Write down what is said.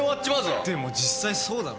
でも実際そうだろ。